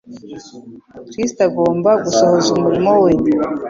Kristo agomba gusohoza umurimo we,